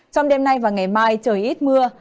trong đêm nay và ngày mai trời ít mưa